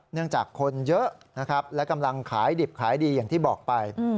จากคนเยอะนะครับและกำลังขายดิบขายดีอย่างที่บอกไป